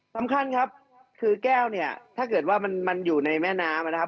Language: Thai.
สำคัญครับแก้วถ้าเกิดอยู่ในแม่น้ำ